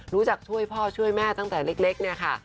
ช่วยพ่อช่วยแม่ตั้งแต่เล็กเนี่ยค่ะ